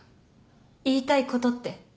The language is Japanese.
言いたいことって？